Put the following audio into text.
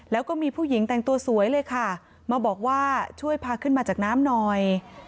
แล้วก็มีผู้หญิงแต่งตัวสวยเลยค่ะมาบอกว่าช่วยพาขึ้นมาจากน้ำหน่อย